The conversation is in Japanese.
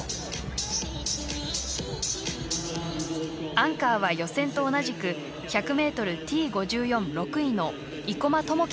アンカーは予選と同じく１００ｍＴ５４６位の生馬知季選手です。